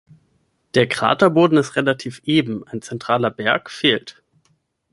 Der Kraterboden ist relativ eben, ein zentraler Berg fehlt.